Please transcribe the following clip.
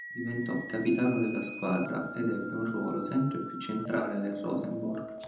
Diventò capitano della squadra ed ebbe un ruolo sempre più centrale nel Rosenborg.